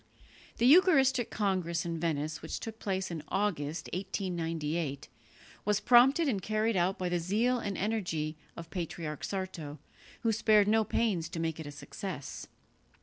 The eucharistic congress in Venice which took place in August, 1898, was prompted and carried out by the zeal and energy of Patriarch Sarto, who spared no pains to make it a success.